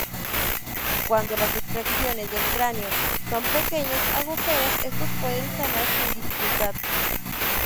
Cuando las extracciones de cráneo son pequeños agujeros, estos pueden sanar sin dificultad.